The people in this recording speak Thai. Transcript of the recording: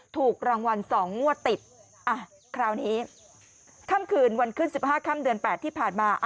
ถูกรางวัล๒งวดติดคราวนี้ค่ำคืนวันขึ้น๑๕ค่ำเดือน๘ที่ผ่านมา